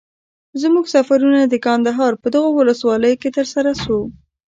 زموږ سفرونه د کندهار په دغو ولسوالیو کي تر سره سو.